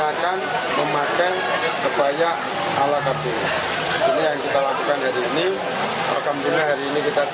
maka mungkin hari ini kita bisa mendapatkan rekor muri